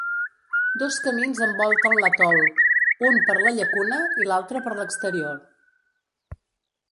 Dos camins envolten l'atol, un per la llacuna i l'altre per l'exterior.